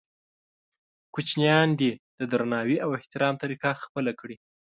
کوچنیان دې د درناوي او احترام طریقه خپله کړي.